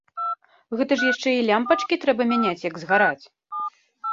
Гэта ж яшчэ і лямпачкі трэба мяняць, як згараць!